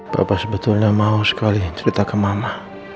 papa sebetulnya mau sekali cerita ke mama